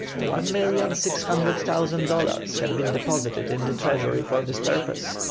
One million six hundred thousand dollars had been deposited in the treasury for this purpose.